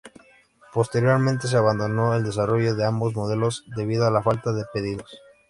Posteriormente se abandonó el desarrollo de ambos modelos, debido a la falta de pedidos.